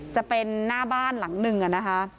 จะเป็นหน้าบ้านหลังหนึ่งนะคะ